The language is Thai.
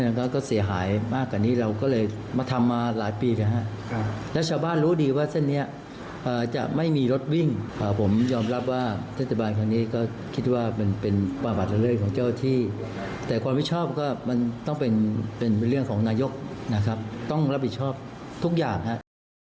นายกเทศมนตรีก็คิดว่าเป็นประวัติเรื่องของเจ้าที่แต่ความผิดชอบก็มันต้องเป็นเรื่องของนายกนะครับต้องรับผิดชอบทุกอย่างนะครับ